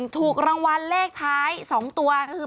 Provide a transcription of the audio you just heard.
ถูกรางวัลเลขท้าย๒ตัวก็คือ